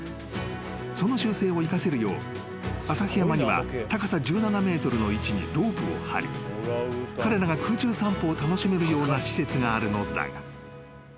［その習性を生かせるよう旭山には高さ１７ｍの位置にロープを張り彼らが空中散歩を楽しめるような施設があるのだが］